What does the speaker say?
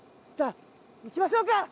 じゃあいきましょうか。